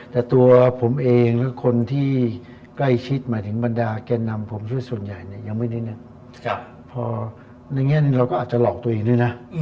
แต่ตัวผมเองและคนที่ใกล้ชิดบรรดาแก่นำผมช่วยส่วนใหญ่ยังไม่ได้นึกในนี้เราก็อาจจะหลอกตัวเองด้วยนะ